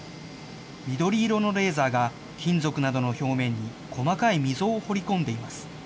緑色のレーザーが金属などの表面に細かい溝を彫り込んでいます。